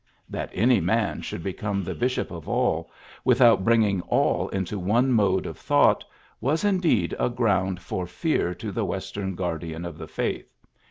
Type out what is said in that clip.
That any man should become the bishop of all, with out bringing aU into one mode of thought, was indeed a ground for fear to the Western guardian of the faith.